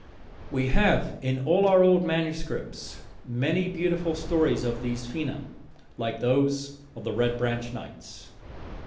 We have in our old manuscripts many beautiful stories of these Fena, like those of the Red Branch Knights.